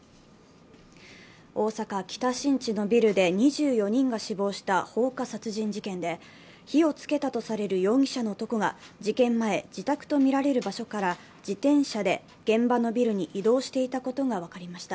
大阪・北新地のビルで２４人が死亡した放火殺人事件で火をつけたとされる容疑者の男が事件前、自宅とみられる場所から自転車で現場のビルに移動していたことが分かりました。